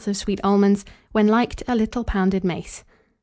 of sweet almonds; when liked, a little pounded mace.